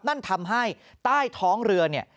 นั่นทำให้ใต้ท้องเรือเนี่ย